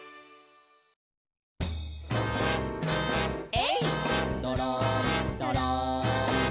「えいっどろんどろん」